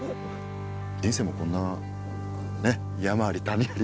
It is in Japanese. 人生もこんなね山あり谷あり。